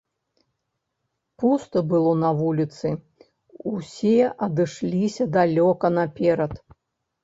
Пуста было на вуліцы, усе адышліся далёка наперад.